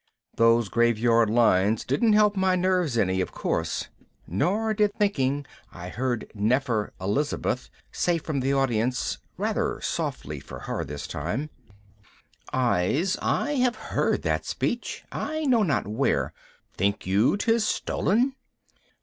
Those graveyard lines didn't help my nerves any, of course. Nor did thinking I heard Nefer Elizabeth say from the audience, rather softly for her this time, "Eyes, I have heard that speech, I know not where. Think you 'tiz stolen?"